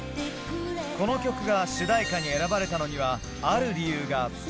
この曲が主題歌に選ばれたのには、ある理由が。